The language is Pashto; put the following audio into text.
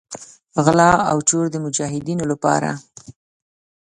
غلا او چور د مجاهدینو لپاره.